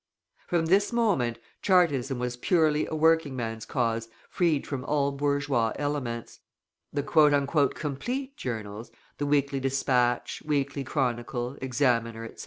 From this moment Chartism was purely a working man's cause freed from all bourgeois elements. The "Complete" journals, the Weekly Dispatch, Weekly Chronicle, Examiner, etc.